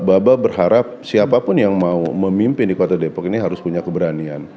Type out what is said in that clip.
baba berharap siapapun yang mau memimpin di kota depok ini harus punya keberanian